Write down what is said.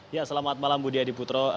ya selamat malam budi adiputro